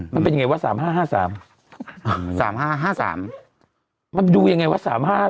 มันเป็นยังไงวะ๓๕๕๓๓๕๕๓มันดูยังไงว่า๓๕